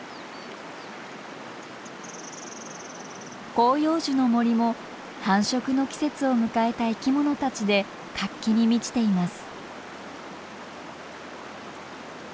広葉樹の森も繁殖の季節を迎えた生きものたちで活気に満ちています。